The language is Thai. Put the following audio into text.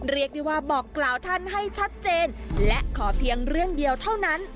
เรียกได้ว่าบอกกล่าวท่านให้ชัดเจนและขอเพียงเรื่องเดียวเท่านั้น